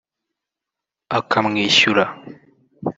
akamwishyura